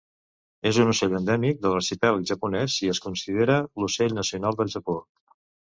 És un ocell endèmic de l'arxipèlag japonès i es considera l'ocell nacional del Japó.